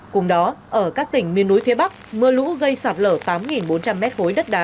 cùng đó ở các tỉnh miền núi phía bắc mưa lũ gây sạt lở tám bốn trăm linh m khối đất đá